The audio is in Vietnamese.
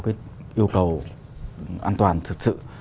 cái yêu cầu an toàn thực sự